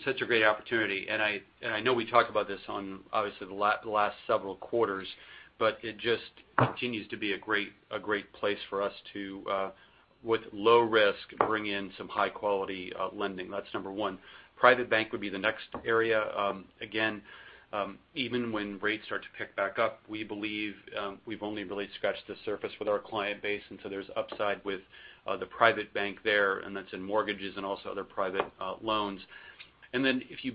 Speaker 3: such a great opportunity. I know we talked about this on obviously the last several quarters, but it just continues to be a great place for us to with low risk, bring in some high quality lending. That's number one. Private bank would be the next area. Again, even when rates start to pick back up, we believe we've only really scratched the surface with our client base. There's upside with the private bank there, and that's in mortgages and also other private loans. If you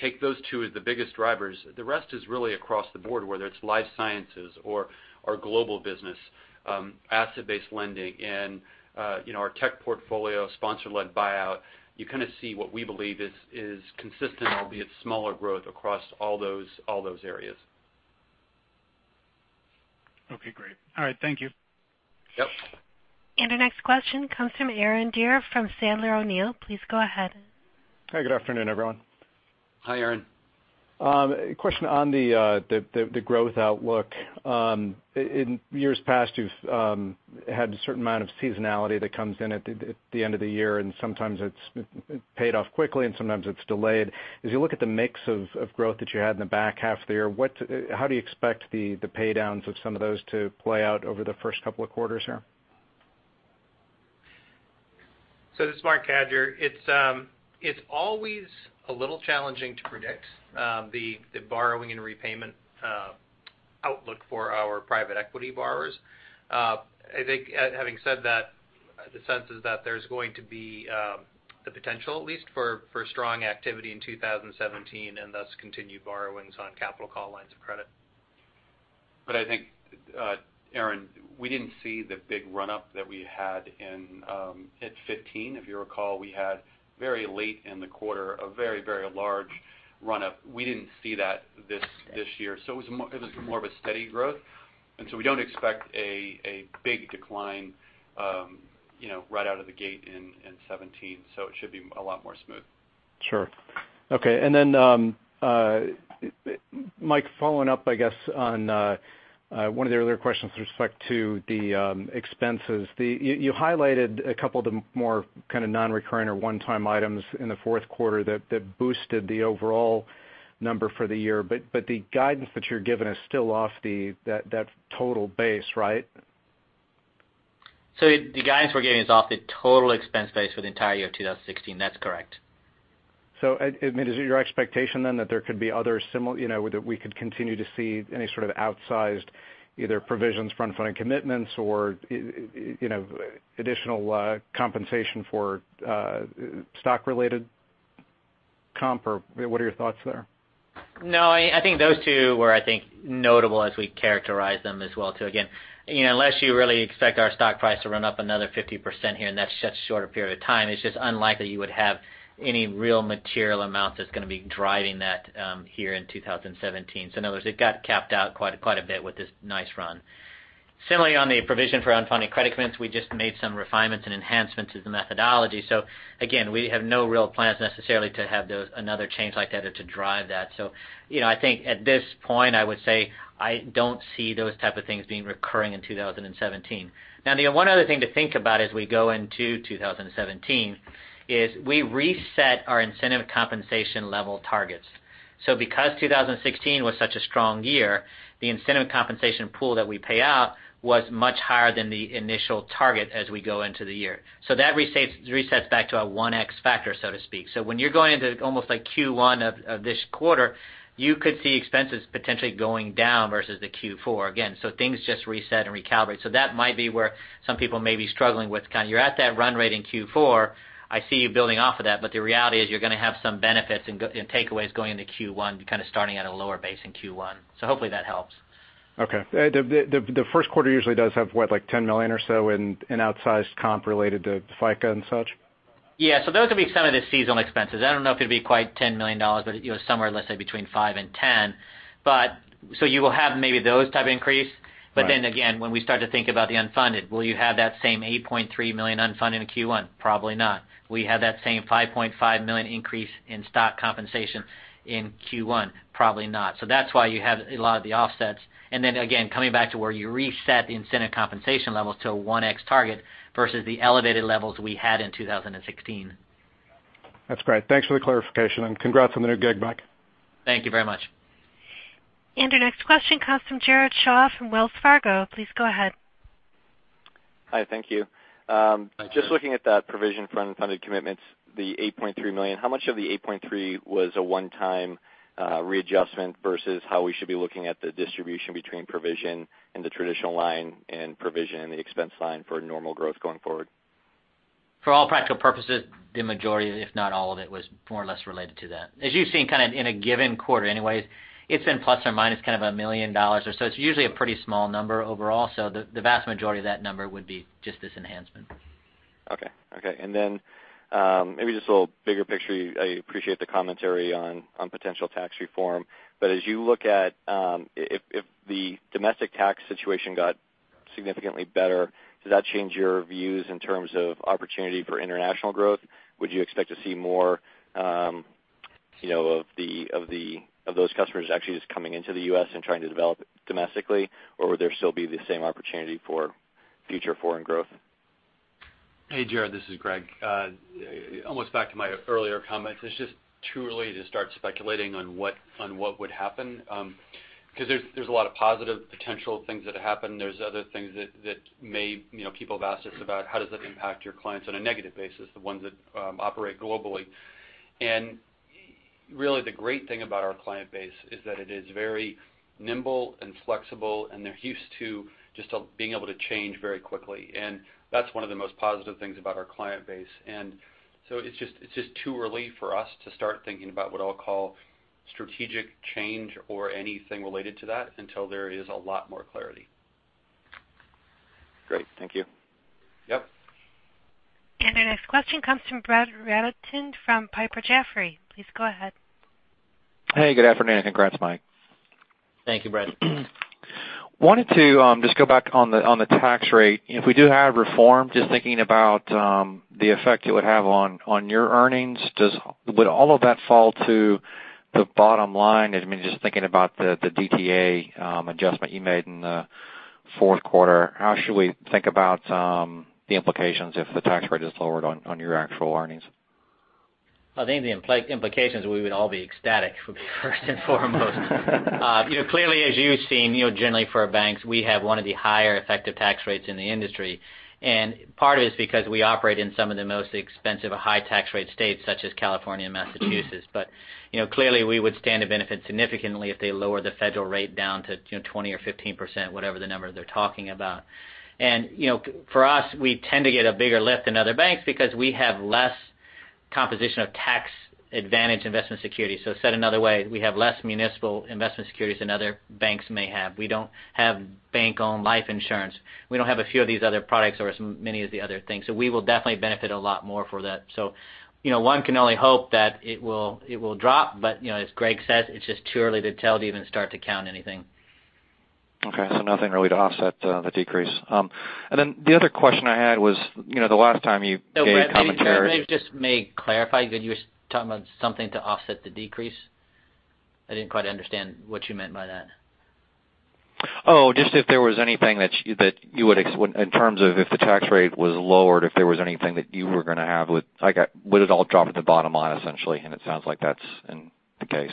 Speaker 3: take those two as the biggest drivers, the rest is really across the board, whether it's life sciences or our global business, asset-based lending and our tech portfolio, sponsor-led buyout. You kind of see what we believe is consistent, albeit smaller growth across all those areas.
Speaker 9: Okay, great. All right. Thank you.
Speaker 10: Yep.
Speaker 1: Our next question comes from Aaron Deer from Sandler O'Neill. Please go ahead.
Speaker 11: Hi. Good afternoon, everyone.
Speaker 10: Hi, Aaron.
Speaker 11: A question on the growth outlook. In years past, you've had a certain amount of seasonality that comes in at the end of the year, and sometimes it's paid off quickly, and sometimes it's delayed. As you look at the mix of growth that you had in the back half of the year, how do you expect the paydowns of some of those to play out over the first couple of quarters here?
Speaker 10: This is Marc Cadieux. It's always a little challenging to predict the borrowing and repayment outlook for our private equity borrowers. I think, having said that, the sense is that there's going to be the potential, at least, for strong activity in 2017, and thus continued borrowings on capital call lines of credit.
Speaker 3: I think, Aaron, we didn't see the big run-up that we had in 2015. If you recall, we had very late in the quarter, a very large run-up. We didn't see that this year. It was more of a steady growth. We don't expect a big decline right out of the gate in 2017. It should be a lot more smooth.
Speaker 11: Sure. Okay. Mike, following up, I guess, on one of the earlier questions with respect to the expenses. You highlighted a couple of the more kind of non-recurring or one-time items in the fourth quarter that boosted the overall number for the year. The guidance that you're giving is still off that total base, right?
Speaker 4: The guidance we're giving is off the total expense base for the entire year 2016. That's correct.
Speaker 11: Is it your expectation then that there could be other that we could continue to see any sort of outsized, either provisions, front funding commitments, or additional compensation for stock related comp, or what are your thoughts there?
Speaker 4: No, I think those two were notable as we characterize them as well, too. Again, unless you really expect our stock price to run up another 50% here in that such shorter period of time, it's just unlikely you would have any real material amount that's going to be driving that here in 2017. In other words, it got capped out quite a bit with this nice run. Similarly, on the provision for unfunded credit commitments, we just made some refinements and enhancements to the methodology. Again, we have no real plans necessarily to have another change like that or to drive that. I think at this point, I would say I don't see those type of things being recurring in 2017. The one other thing to think about as we go into 2017 is we reset our incentive compensation level targets. Because 2016 was such a strong year, the incentive compensation pool that we pay out was much higher than the initial target as we go into the year. That resets back to a 1x factor, so to speak. When you're going into almost like Q1 of this quarter, you could see expenses potentially going down versus the Q4 again. Things just reset and recalibrate. That might be where some people may be struggling with kind of you're at that run rate in Q4, I see you building off of that, but the reality is you're going to have some benefits and takeaways going into Q1. You're kind of starting at a lower base in Q1. Hopefully that helps.
Speaker 11: Okay. The first quarter usually does have, what, like $10 million or so in outsized comp related to FICA and such?
Speaker 4: Yeah. Those would be some of the seasonal expenses. I don't know if it'd be quite $10 million, but somewhere, let's say between 5 and 10. You will have maybe those type of increase.
Speaker 11: Right.
Speaker 4: When we start to think about the unfunded, will you have that same $8.3 million unfunded in Q1? Probably not. Will you have that same $5.5 million increase in stock compensation in Q1? Probably not. That's why you have a lot of the offsets. Then again, coming back to where you reset the incentive compensation levels to a 1x target versus the elevated levels we had in 2016.
Speaker 11: That's great. Thanks for the clarification and congrats on the new gig, Mike.
Speaker 4: Thank you very much.
Speaker 1: Our next question comes from Jared Shaw from Wells Fargo. Please go ahead.
Speaker 12: Hi. Thank you.
Speaker 10: Hi, Jared.
Speaker 12: Just looking at that provision for unfunded commitments, the $8.3 million. How much of the $8.3 was a one-time readjustment versus how we should be looking at the distribution between provision and the traditional line and provision and the expense line for normal growth going forward?
Speaker 4: For all practical purposes, the majority, if not all of it, was more or less related to that. As you've seen kind of in a given quarter anyway, it's been plus or minus kind of $1 million or so. It's usually a pretty small number overall. The vast majority of that number would be just this enhancement.
Speaker 12: Maybe just a little bigger picture. I appreciate the commentary on potential tax reform. As you look at if the domestic tax situation got significantly better, does that change your views in terms of opportunity for international growth? Would you expect to see more of those customers actually just coming into the U.S. and trying to develop domestically? Would there still be the same opportunity for future foreign growth?
Speaker 3: Hey, Jared, this is Greg. Almost back to my earlier comments. It's just too early to start speculating on what would happen because there's a lot of positive potential things that happen. There's other things that people have asked us about how does it impact your clients on a negative basis, the ones that operate globally. Really the great thing about our client base is that it is very nimble and flexible, and they're used to just being able to change very quickly. That's one of the most positive things about our client base. So it's just too early for us to start thinking about what I'll call strategic change or anything related to that until there is a lot more clarity.
Speaker 12: Great. Thank you.
Speaker 4: Yep.
Speaker 1: Our next question comes from Brett Rabatin from Piper Jaffray. Please go ahead.
Speaker 13: Hey, good afternoon. Congrats, Mike.
Speaker 4: Thank you, Brett.
Speaker 13: Wanted to just go back on the tax rate. If we do have reform, just thinking about the effect it would have on your earnings, would all of that fall to the bottom line? Just thinking about the DTA adjustment you made in the fourth quarter, how should we think about the implications if the tax rate is lowered on your actual earnings?
Speaker 4: I think the implications, we would all be ecstatic would be first and foremost. Clearly, as you've seen, generally for our banks, we have one of the higher effective tax rates in the industry, and part of it is because we operate in some of the most expensive or high tax rate states such as California and Massachusetts. Clearly, we would stand to benefit significantly if they lower the federal rate down to 20% or 15%, whatever the number they're talking about. For us, we tend to get a bigger lift than other banks because we have less composition of tax advantage investment securities. Said another way, we have less municipal investment securities than other banks may have. We don't have bank-owned life insurance. We don't have a few of these other products or as many as the other things. We will definitely benefit a lot more for that. One can only hope that it will drop, but as Greg said, it's just too early to tell to even start to count anything.
Speaker 13: Okay, nothing really to offset the decrease. The other question I had was the last time you gave commentary.
Speaker 4: Brett, maybe just may clarify, you were talking about something to offset the decrease? I didn't quite understand what you meant by that.
Speaker 13: Oh, just if there was anything in terms of if the tax rate was lowered, if there was anything that you were going to have, would it all drop at the bottom line essentially? It sounds like that's the case.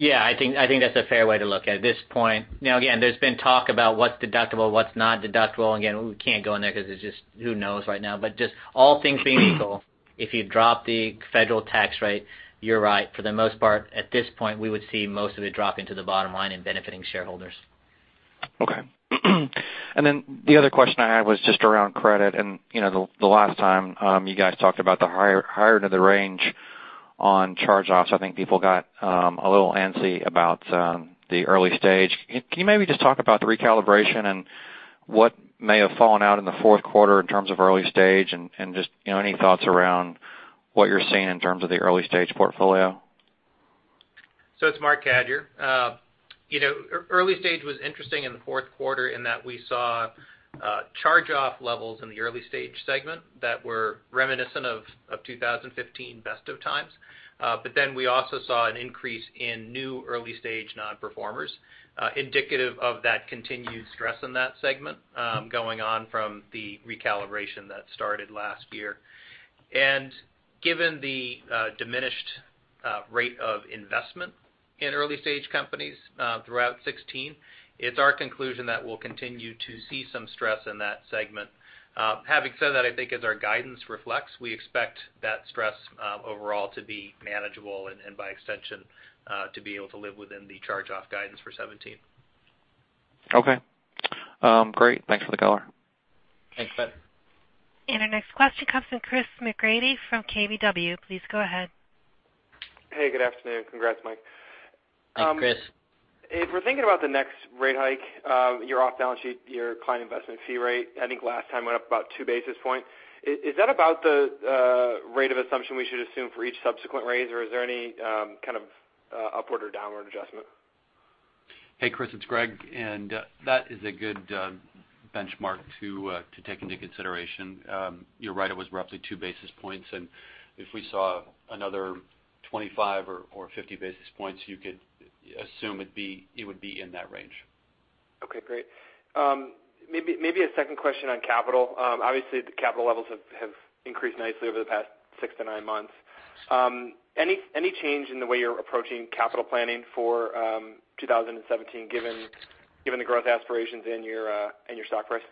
Speaker 4: I think that's a fair way to look at it. At this point, there's been talk about what's deductible, what's not deductible. We can't go in there because it's just who knows right now. Just all things being equal, if you drop the federal tax rate, you're right. For the most part, at this point, we would see most of it dropping to the bottom line and benefiting shareholders.
Speaker 13: Okay. The other question I had was just around credit, the last time you guys talked about the higher end of the range on charge-offs. I think people got a little antsy about the early stage. Can you maybe just talk about the recalibration and what may have fallen out in the fourth quarter in terms of early stage and just any thoughts around what you're seeing in terms of the early stage portfolio?
Speaker 10: It's Marc Cadieux. Early stage was interesting in the fourth quarter in that we saw charge-off levels in the early stage segment that were reminiscent of 2015 best of times. We also saw an increase in new early stage non-performers indicative of that continued stress in that segment going on from the recalibration that started last year. Given the diminished rate of investment in early stage companies throughout 2016, it's our conclusion that we'll continue to see some stress in that segment. Having said that, I think as our guidance reflects, we expect that stress overall to be manageable and by extension to be able to live within the charge-off guidance for 2017.
Speaker 13: Okay. Great. Thanks for the color.
Speaker 10: Thanks, Brett.
Speaker 1: Our next question comes from Chris McGratty from KBW. Please go ahead.
Speaker 14: Hey, good afternoon. Congrats, Mike.
Speaker 4: Hi, Chris.
Speaker 14: If we're thinking about the next rate hike, your off-balance sheet, your client investment fee rate, I think last time went up about two basis points. Is that about the rate of assumption we should assume for each subsequent raise, or is there any kind of upward or downward adjustment?
Speaker 6: Hey, Chris. It's Greg, that is a good benchmark to take into consideration. You're right, it was roughly two basis points, if we saw another 25 or 50 basis points, you could assume it would be in that range.
Speaker 14: Okay, great. Maybe a second question on capital. Obviously, the capital levels have increased nicely over the past six to nine months. Any change in the way you're approaching capital planning for 2017 given the growth aspirations in your stock price?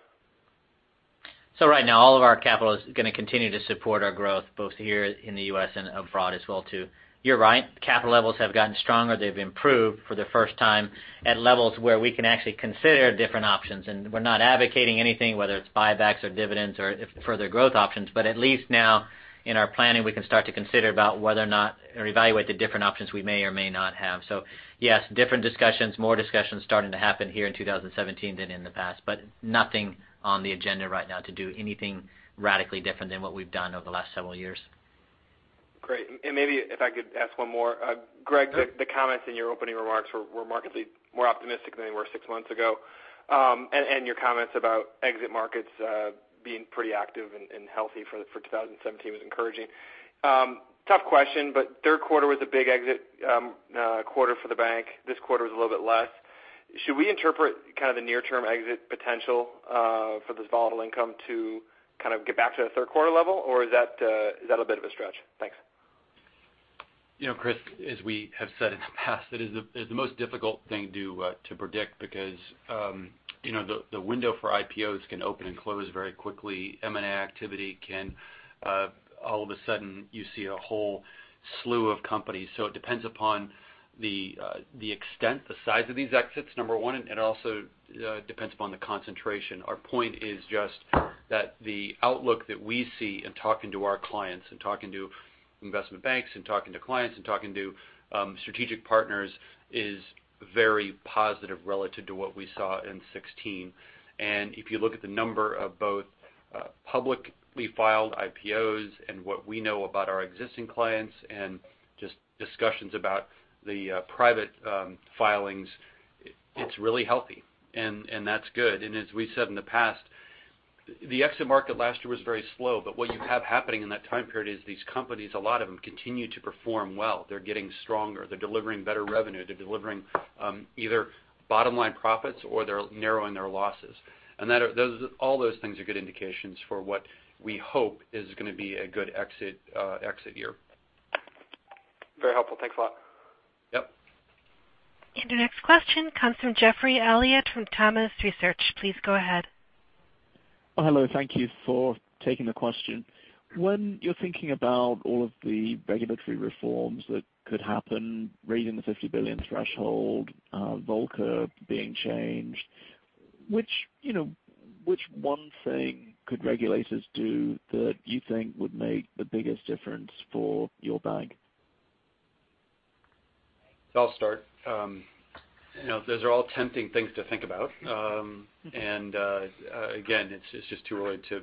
Speaker 4: Right now, all of our capital is going to continue to support our growth both here in the U.S. and abroad as well, too. You're right, capital levels have gotten stronger. They've improved for the first time at levels where we can actually consider different options. We're not advocating anything, whether it's buybacks or dividends or further growth options. At least now in our planning, we can start to consider about whether or not or evaluate the different options we may or may not have. Yes, different discussions, more discussions starting to happen here in 2017 than in the past. Nothing on the agenda right now to do anything radically different than what we've done over the last several years.
Speaker 14: Great. Maybe if I could ask one more. Greg, the comments in your opening remarks were markedly more optimistic than they were six months ago. Your comments about exit markets being pretty active and healthy for 2017 was encouraging. Tough question, third quarter was a big exit quarter for the bank. This quarter was a little bit less. Should we interpret kind of the near-term exit potential for this volatile income to kind of get back to the third quarter level, or is that a bit of a stretch? Thanks.
Speaker 4: Chris, as we have said in the past, it is the most difficult thing to predict because the window for IPOs can open and close very quickly. M&A activity can all of a sudden you see a whole
Speaker 3: Slew of companies. It depends upon the extent, the size of these exits, number one, and it also depends upon the concentration. Our point is just that the outlook that we see in talking to our clients and talking to investment banks and talking to clients and talking to strategic partners is very positive relative to what we saw in 2016. If you look at the number of both publicly filed IPOs and what we know about our existing clients and just discussions about the private filings, it's really healthy, and that's good. As we said in the past, the exit market last year was very slow. What you have happening in that time period is these companies, a lot of them, continue to perform well. They're getting stronger. They're delivering better revenue. They're delivering either bottom-line profits or they're narrowing their losses. All those things are good indications for what we hope is going to be a good exit year.
Speaker 14: Very helpful. Thanks a lot.
Speaker 3: Yep.
Speaker 1: The next question comes from Geoffrey Elliott from Autonomous Research. Please go ahead.
Speaker 15: Hello, thank you for taking the question. When you're thinking about all of the regulatory reforms that could happen, raising the 50 billion threshold, Volcker being changed, which one thing could regulators do that you think would make the biggest difference for your bank?
Speaker 3: I'll start. Those are all tempting things to think about. Again, it's just too early to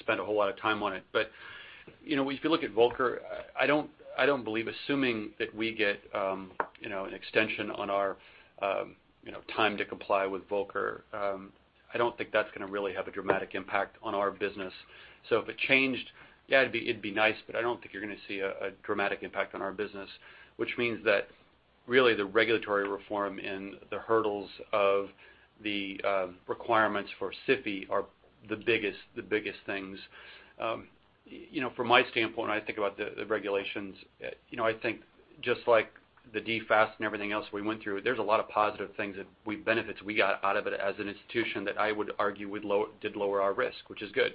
Speaker 3: spend a whole lot of time on it. If you look at Volcker, I don't believe, assuming that we get an extension on our time to comply with Volcker, I don't think that's going to really have a dramatic impact on our business. If it changed, yeah, it'd be nice, but I don't think you're going to see a dramatic impact on our business. Which means that really the regulatory reform and the hurdles of the requirements for SIFI are the biggest things. From my standpoint, when I think about the regulations, I think just like the Dodd-Frank Act and everything else we went through, there's a lot of positive things that we benefit, we got out of it as an institution that I would argue did lower our risk, which is good.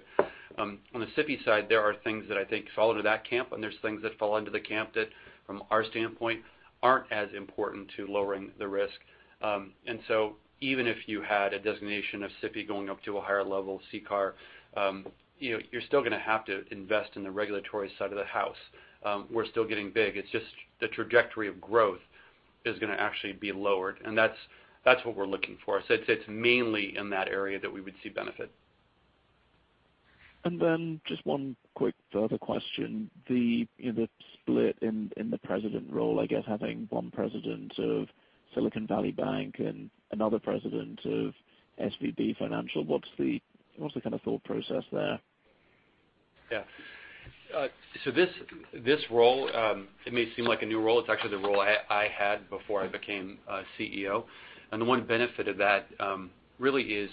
Speaker 3: On the SIFI side, there are things that I think fall into that camp, and there's things that fall into the camp that, from our standpoint, aren't as important to lowering the risk. So even if you had a designation of SIFI going up to a higher level CCAR, you're still going to have to invest in the regulatory side of the house. We're still getting big. It's just the trajectory of growth is going to actually be lowered, and that's what we're looking for. It's mainly in that area that we would see benefit.
Speaker 15: Just one quick further question. The split in the president role, I guess, having one president of Silicon Valley Bank and another president of SVB Financial, what's the kind of thought process there?
Speaker 3: Yeah. This role, it may seem like a new role. It's actually the role I had before I became CEO. The one benefit of that really is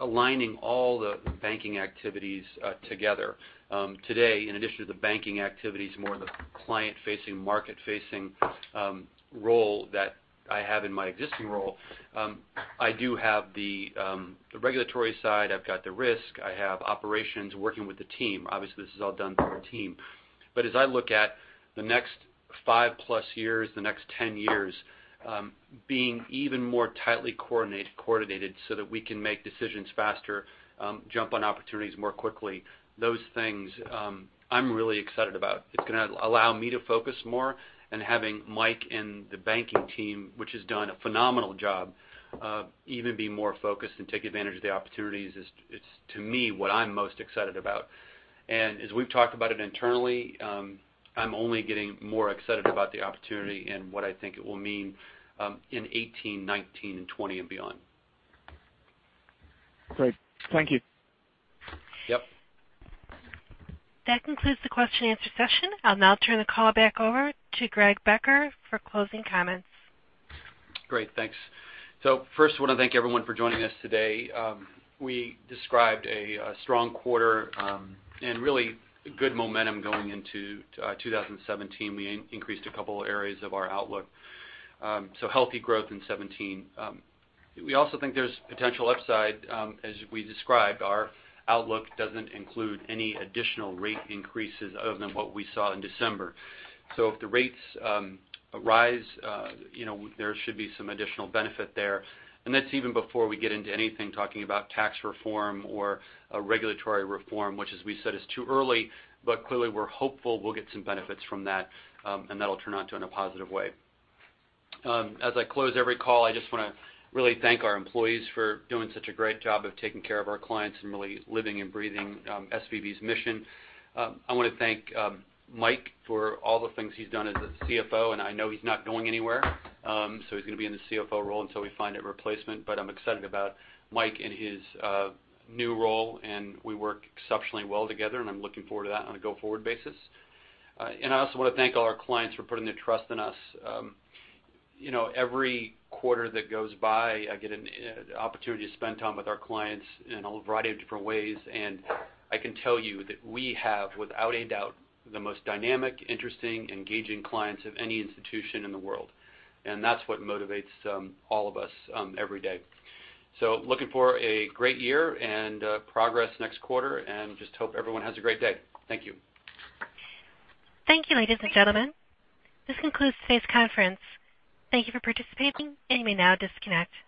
Speaker 3: aligning all the banking activities together. Today, in addition to the banking activities, more the client-facing, market-facing role that I have in my existing role, I do have the regulatory side, I've got the risk, I have operations, working with the team. Obviously, this is all done through a team. As I look at the next 5-plus years, the next 10 years, being even more tightly coordinated so that we can make decisions faster, jump on opportunities more quickly, those things I'm really excited about. It's going to allow me to focus more on having Mike and the banking team, which has done a phenomenal job, even be more focused and take advantage of the opportunities. It's, to me, what I'm most excited about. As we've talked about it internally, I'm only getting more excited about the opportunity and what I think it will mean in 2018, 2019, and 2020 and beyond.
Speaker 15: Great. Thank you.
Speaker 3: Yep.
Speaker 1: That concludes the question and answer session. I'll now turn the call back over to Greg Becker for closing comments.
Speaker 3: Great, thanks. First, I want to thank everyone for joining us today. We described a strong quarter, really good momentum going into 2017. We increased a couple areas of our outlook. Healthy growth in 2017. We also think there's potential upside. As we described, our outlook doesn't include any additional rate increases other than what we saw in December. If the rates rise, there should be some additional benefit there. That's even before we get into anything talking about tax reform or regulatory reform, which as we said, is too early, but clearly, we're hopeful we'll get some benefits from that, and that'll turn out in a positive way. As I close every call, I just want to really thank our employees for doing such a great job of taking care of our clients and really living and breathing SVB's mission. I want to thank Mike for all the things he's done as the CFO, I know he's not going anywhere. He's going to be in the CFO role until we find a replacement. I'm excited about Mike in his new role, and we work exceptionally well together, and I'm looking forward to that on a go-forward basis. I also want to thank all our clients for putting their trust in us. Every quarter that goes by, I get an opportunity to spend time with our clients in a variety of different ways, and I can tell you that we have, without a doubt, the most dynamic, interesting, engaging clients of any institution in the world. That's what motivates all of us every day. Looking for a great year and progress next quarter, and just hope everyone has a great day. Thank you.
Speaker 1: Thank you, ladies and gentlemen. This concludes today's conference. Thank you for participating. You may now disconnect.